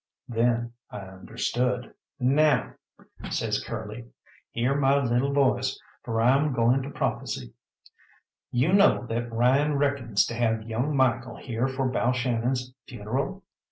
Then I understood. "Now," says Curly, "hear my lil' voice, for I'm goin' to prophesy. You know that Ryan reckons to have young Michael here for Balshannon's funeral?